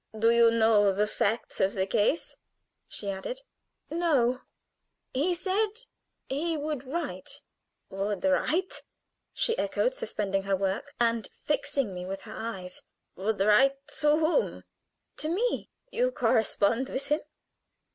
"Do you know the facts of the case?" she added. "No; he said he would write." "Would write!" she echoed, suspending her work, and fixing me with her eyes. "Would write to whom?" "To me." "You correspond with him?"